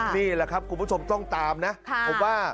นี่แหละครับคุณผู้ชมต้องตามนะผมว่า